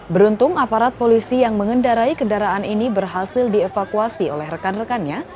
beruntung aparat polisi yang mengendarai kendaraan ini berhasil dievakuasi oleh rekan rekannya